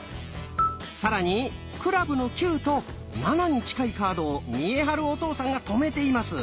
更に「クラブの９」と「７」に近いカードを見栄晴お父さんが止めています。